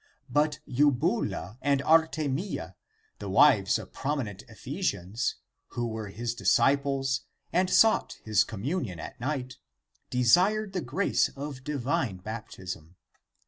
But Eubula and Artemilla, the wives of prominent Ephesians, who were his disciples and sought his communion at night, desired the grace of divine baptism.